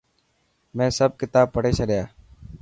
مين سڀ ڪتاب پڙهي ڇڏيا.